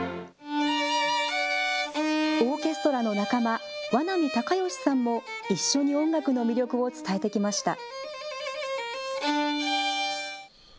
オーケストラの仲間、和波孝禧さんも一緒に音楽の魅力を伝えてきました。